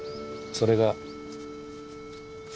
それが。